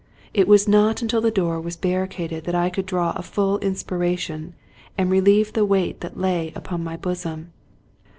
It was not until the door was barricaded that I could draw a full inspiration and relieve the weight that lay upon my bosom.